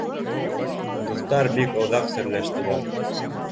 Дуҫтар бик оҙаҡ серләштеләр.